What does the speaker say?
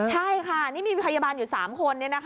ใช่ค่ะนี่มีพยาบาลอยู่๓คน